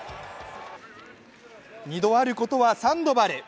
２度あることはサンドバル！